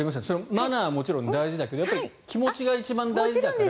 マナーはもちろん大事だけど気持ちが一番大事だから。